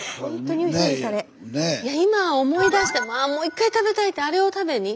今思い出してもあもう一回食べたいってあれを食べに。